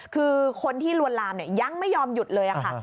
คือคนที่ลวนลามยังไม่ยอมหยุดเลยค่ะ